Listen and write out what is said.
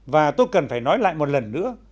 và tôi cần phải nói lại một lần nữa